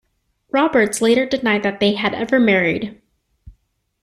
Roberts later denied that they had ever married.